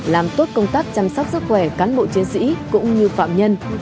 làm tốt công tác chăm sóc sức khỏe cán bộ chiến sĩ cũng như phạm nhân